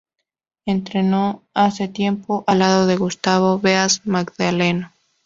Entrenó hace tiempo al lado de Gustavo Beas Magdaleno.